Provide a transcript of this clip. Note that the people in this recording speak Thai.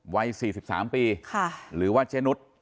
วัย๔๓ปีหรือว่าเจนุส